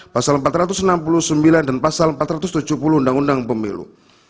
pasal empat ratus enam puluh sembilan dan pasal empat ratus tujuh puluh undang undang pemilu